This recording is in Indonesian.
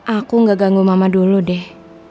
aku gak ganggu mama dulu deh